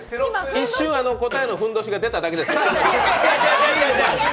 一瞬、答えのふんどしが出ただけです。